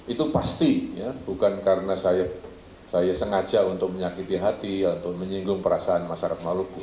itu pasti ya bukan karena saya sengaja untuk menyakiti hati atau menyinggung perasaan masyarakat maluku